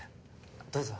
どうぞ。